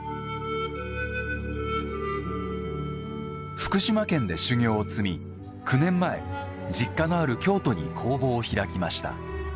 福島県で修業を積み９年前、実家のある京都に工房を開きました。